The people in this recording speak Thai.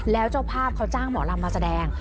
แล้วเจ้าภาพเขาจ้างหมอลำมาแสดง